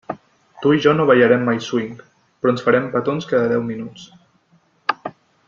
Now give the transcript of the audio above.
Tu i jo no ballarem mai swing, però ens farem petons cada deu minuts.